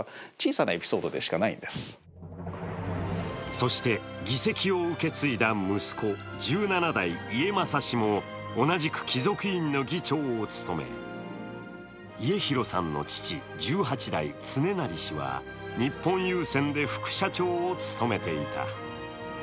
そして議席を受け継いだ息子、１７代・家正氏も同じく貴族院の議長を務め家広さんの父・１８代恒孝氏は日本郵船で副社長を務めていた。